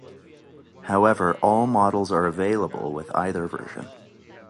However, all models are available with either version.